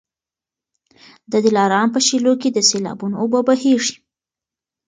د دلارام په شېلو کي د سېلابونو اوبه بهیږي.